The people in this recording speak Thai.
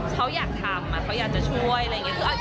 เขาอยากทำเขาอยากจะช่วยอะไรอย่างนี้